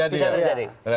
bisa terjadi ya